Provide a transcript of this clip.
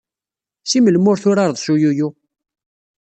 Seg melmi ur turareḍ s uyuyu?